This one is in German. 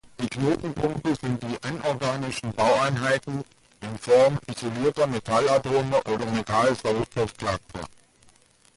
Die Knotenpunkte sind die anorganischen Baueinheiten in Form isolierter Metallatome oder Metall-Sauerstoff-Cluster.